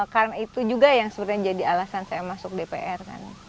karena itu juga yang jadi alasan saya masuk dpr kan